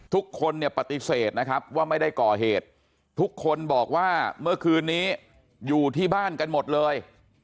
ทุกคนเนี่ยปฏิเสธนะครับว่าไม่ได้ก่อเหตุทุกคนบอกว่าเมื่อคืนนี้อยู่ที่บ้านกันหมดเลย